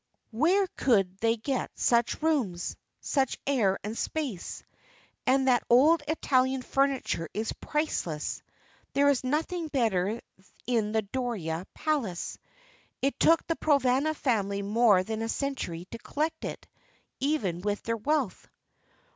Where could they get such rooms, such air and space? And that old Italian furniture is priceless. There is nothing better in the Doria Palace. It took the Provana family more than a century to collect it even with their wealth."